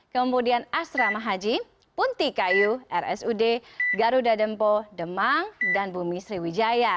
kemudian asrama haji punti kayu rsud garuda dempo demang dan bumi sriwijaya